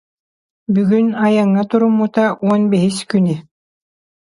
Бүгүн айаҥҥа туруммута уон бэһис күнэ